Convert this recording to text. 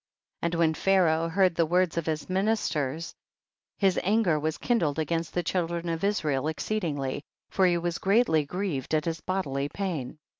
38. And when Pharaoh heard the words of his ministers, his anger was * J. e. Their blood. kindled against the children of Israel exceedingly, for he was greatly grieved at his bodily pain.